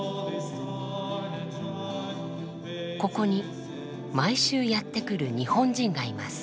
ここに毎週やって来る日本人がいます。